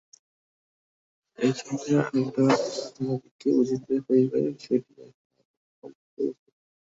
এই সঙ্গে আর একটি কথা তোমাদিগকে বুঝিতে হইবে, বিষয়টি এখন আমাদের সম্মুখে উপস্থিত।